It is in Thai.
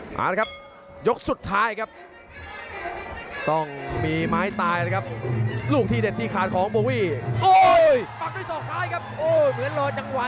ไปล่าสุดที่เสมอกับนักชกญี่ปุ่นอย่างโยเนดาเทศจินดาแต่ไปปลายแซงเกือบผ่านครับ